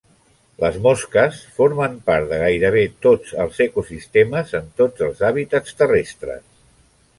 Les mosques formen part de gairebé tots els ecosistemes, en tots els hàbitats terrestres.